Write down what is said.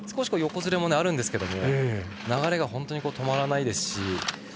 横ずれも少しあるんですが流れが本当に止まらないですし。